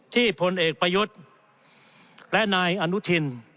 พลเอกประยุทธ์และนายอนุทิน